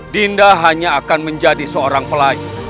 dinda hanya akan menjadi seorang pelay